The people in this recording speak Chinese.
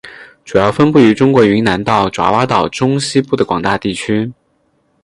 主要分布于中国云南到爪哇岛中西部的广大地区。